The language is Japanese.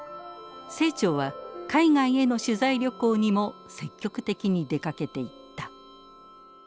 清張は海外への取材旅行にも積極的に出かけていった。